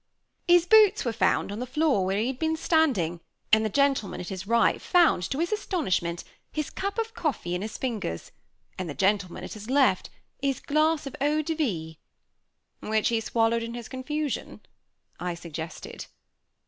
His boots were found on the floor where he had been standing; and the gentleman at his right found, to his astonishment, his cup of coffee in his fingers, and the gentleman at his left, his glass of eau de vie " "Which he swallowed in his confusion," I suggested.